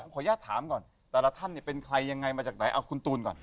ขออนุญาตถามก่อนแต่ละท่านเป็นใครยังไงมาจากไหนเอาคุณตูนก่อน